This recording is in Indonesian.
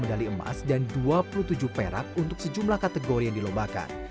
enam medali emas dan dua puluh tujuh perak untuk sejumlah kategori yang dilombakan